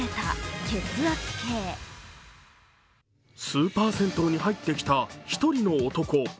スーパー銭湯に入ってきた一人の男。